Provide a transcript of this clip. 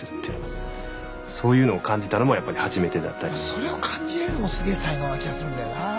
それを感じれるのもすげえ才能な気がするんだよな。